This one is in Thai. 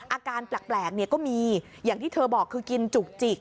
อาการแปลกก็มีอย่างที่เธอบอกคือกินจุกจิก